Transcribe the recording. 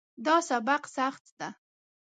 دا سبق سخت ده